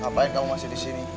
ngapain kamu masih di sini